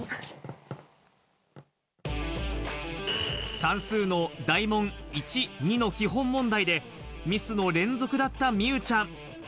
算数の大問１の基本問題で、ミスの連続だった美羽ちゃん。